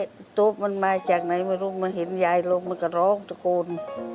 ไอ้โต๊ะมันมาจากไหนไม่รู้มาเห็นยายลงมันก็ร้องตะโกน